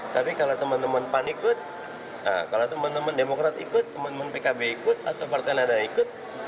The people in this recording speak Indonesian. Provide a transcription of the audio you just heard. tapi kalau teman teman pan ikut kalau teman teman demokrat ikut teman teman pkb ikut atau partai nada ikut